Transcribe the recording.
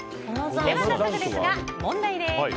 早速ですが問題です。